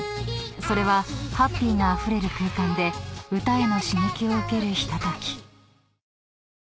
［それはハッピーがあふれる空間で歌への刺激を受けるひととき］